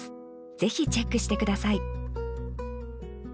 ぜひチェックして下さい